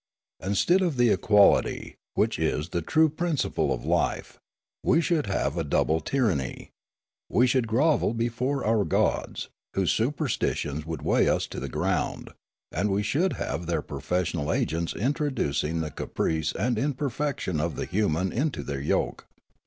Instead of the equalit}', which is the true principle of life, we should have a double tyranny ; we should grovel before our gods, whose superstitions would weigh us to the ground ; and we should have their profes sional agents introducing the caprice and imperfection of the human into their yoke.